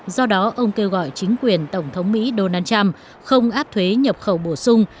do đó ông kêu gọi chính quyền tổng thống mỹ donald trump không áp thuế nhập khẩu bổ sung